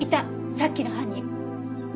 さっきの犯人。